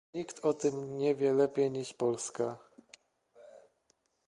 Nikt o tym nie wie lepiej niż Polska